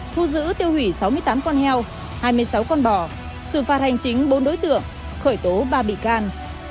thu giữ tiêu hủy sáu mươi tám con heo hai mươi sáu con bò xử phạt hành chính bốn đối tượng khởi tố ba bị can